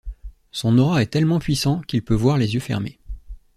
Son aura est tellement puissant qu'il peut voir les yeux fermés.